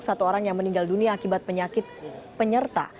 satu orang yang meninggal dunia akibat penyakit penyerta